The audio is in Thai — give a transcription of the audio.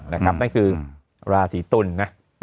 นะครับนั่นคือราศีตุลนะ